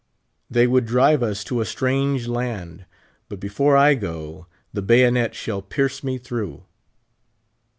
They would drive us to a strange land. But before I go, the bayonet shall pierce me through.